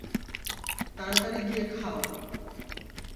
তাড়াতাড়ি গিয়ে খাও।